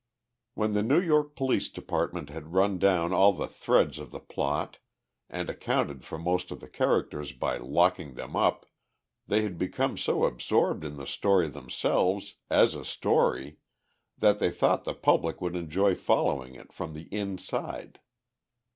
When the New York police department had run down all the threads of the plot, and accounted for most of the characters by locking them up, they had become so absorbed in the story themselves, as a story, that they thought the public would enjoy following it from the inside.